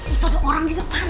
itu ada orang di depan